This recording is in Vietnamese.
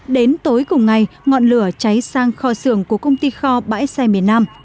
đến tối cùng ngày ngọn lửa cháy sang kho xưởng của công ty kho bãi xe miền nam